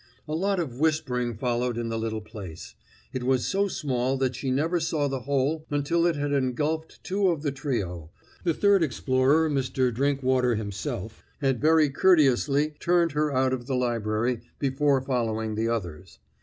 A lot of whispering followed in the little place; it was so small that she never saw the hole until it had engulfed two of the trio; the third explorer, Mr. Drinkwater himself, had very courteously turned her out of the library before following the others.